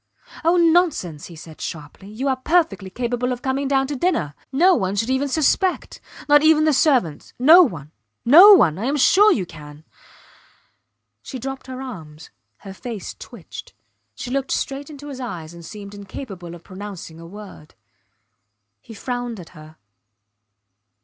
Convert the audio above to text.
Oh, nonsense! he said, sharply. You are perfectly capable of coming down to dinner. No one should even suspect; not even the servants. No one! No one! ... I am sure you can. She dropped her arms; her face twitched. She looked straight into his eyes and seemed incapable of pronouncing a word. He frowned at her.